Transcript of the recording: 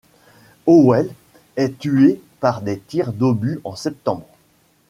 Howell est tué par des tirs d'obus en septembre.